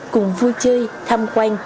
cùng vui chơi thăm quan